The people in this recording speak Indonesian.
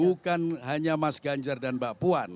bukan hanya mas ganjar dan mbak puan